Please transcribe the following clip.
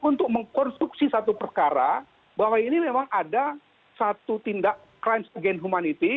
untuk mengkonstruksi satu perkara bahwa ini memang ada satu tindak crimes again humanity